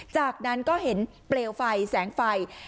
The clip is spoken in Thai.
จากนั้นก็เห็นเปลวไฟแสงไฟ